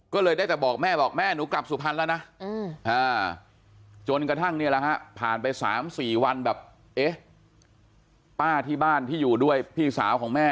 ก็เลยได้แต่บอกแม่บอกแม่หนูกลับสุพรรณแล้วนะ